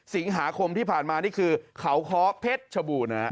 สิงหาคมที่ผ่านมานี่คือเขาค้อเพชรชบู่นะครับ